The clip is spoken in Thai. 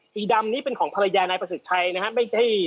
สีดำนี้เป็นของภรรยานายประสิทธิ์ชัยนะครับ